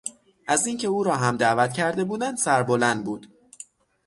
از اینکه او را هم دعوت کرده بودند سربلند بود.